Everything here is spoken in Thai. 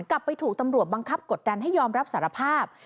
ไปถูกตำรวจบังคับกดดันให้ยอมรับสารภาพ